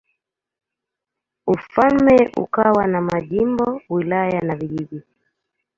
Ufalme ukawa na majimbo, wilaya na vijiji.